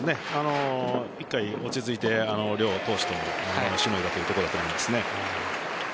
１回、落ち着いて両投手ともしのいだというところだと思いますね。